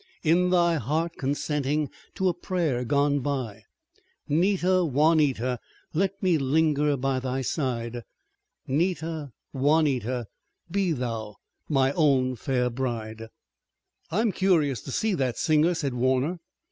In thy heart consenting to a prayer gone by! 'Nita, Juanita! Let me linger by thy side! 'Nita, Juanita! Be thou my own fair bride. "I'm curious to see that singer," said Warner.